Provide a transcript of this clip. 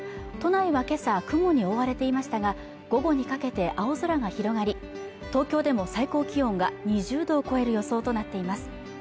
都内はけさは雲に覆われていましたが午後にかけて青空が広がり東京でも最高気温が２０度を超える予想となっています